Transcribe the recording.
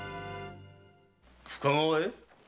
深川へ？